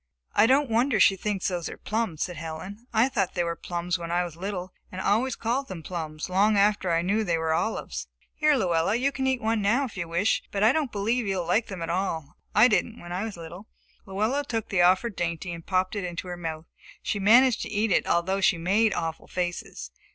"I don't wonder she thinks those are plums," said Helen. "I thought they were plums when I was little and always called them plums long after I knew they were olives. Here, Luella, you can eat one now if you wish, but I don't believe you will like them at all. I didn't when I was little." Luella took the offered dainty and popped it into her mouth. She managed to eat it, although she made awful faces.